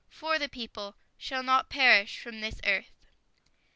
. .for the people. .. shall not perish from this earth.